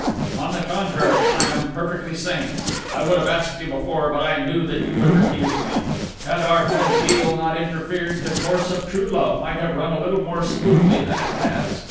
"On the contrary, I am perfectly sane. I would have asked you before, but I knew that you would refuse me. Had our friend Beale not interfered, the course of true love might have run a little more smoothly than it has.